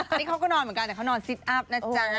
อันนี้เขาก็นอนเหมือนกันแต่เขานอนซิตอัพนะจ๊ะ